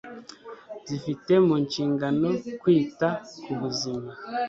zifite mu nshingano kwita ku buzima